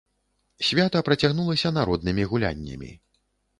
Свята працягнулася народнымі гуляннямі.